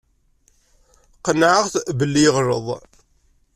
Qennɛeɣ-t belli yeɣleḍ.